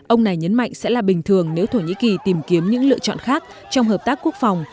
ông này nhấn mạnh sẽ là bình thường nếu thổ nhĩ kỳ tìm kiếm những lựa chọn khác trong hợp tác quốc phòng